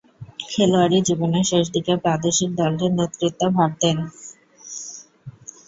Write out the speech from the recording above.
খেলোয়াড়ী জীবনের শেষদিকে প্রাদেশিক দলটির নেতৃত্ব ভার নেন।